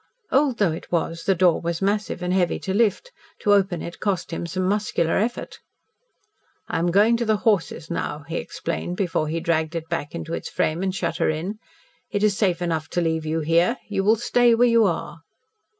Old though it was, the door was massive and heavy to lift. To open it cost him some muscular effort. "I am going to the horses now," he explained before he dragged it back into its frame and shut her in. "It is safe enough to leave you here. You will stay where you are."